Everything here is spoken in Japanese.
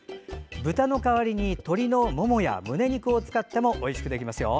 豚の代わりに鶏のももやむねを使ってもおいしくできますよ。